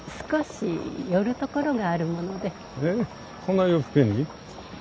えっこんな夜更けに？